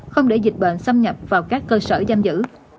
không để dịch bệnh xâm nhập vào các cơ sở giam giữ